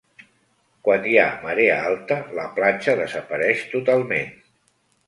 Quan hi ha marea alta la platja desapareix totalment.